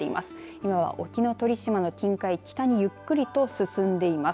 今は、沖ノ鳥島の近海を北にゆっくりと進んでいます。